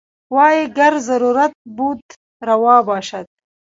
وايي ګر ضرورت بود روا باشد.